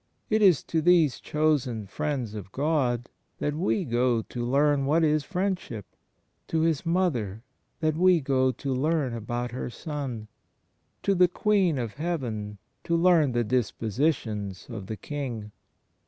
It is to these chosen Friends of God that we go to leam what is Friendship; to His Mother that we go to leam about her Son; to the Queen of Heaven, to leam the dispositions of the King.